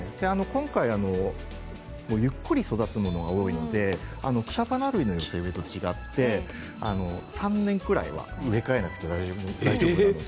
今回は、ゆっくり育つものが多いので草花類の寄せ植えと違って３年ぐらいは植え替えなくても大丈夫です。